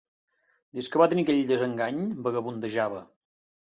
Des que va tenir aquell desengany, vagabundejava.